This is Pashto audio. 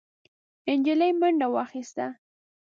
نجلۍ منډه واخيسته.